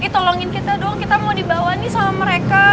tolongin kita doang kita mau dibawa nih sama mereka